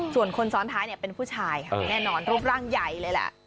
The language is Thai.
ส่วนคนซ้อนท้ายเป็นผู้ชายค่ะแน่นอนรูปร่างใหญ่เลยแหละ